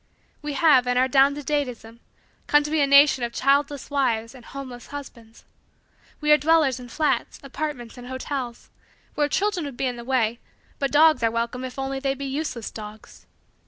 We have, in our down to date ism, come to be a nation of childless wives and homeless husbands. We are dwellers in flats, apartments, hotels, where children would be in the way but dogs are welcome if only they be useless dogs.